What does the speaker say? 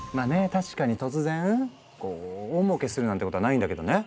確かに突然こう大もうけするなんてことはないんだけどね。